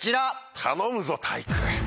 頼むぞ体育。